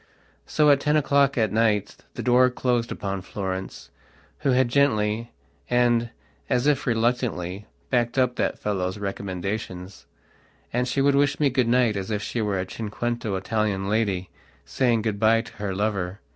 So at ten o'clock at night the door closed upon Florence, who had gently, and, as if reluctantly, backed up that fellow's recommendations; and she would wish me good night as if she were a cinquecento Italian lady saying good bye to her lover.